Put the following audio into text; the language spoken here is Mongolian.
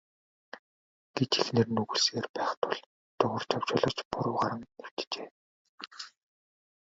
гэж эхнэр нь үглэсээр байх тул Дугаржав жолооч буруу харан хэвтжээ.